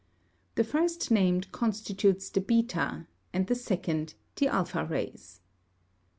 The first named constitutes the beta, and the second the alpha rays.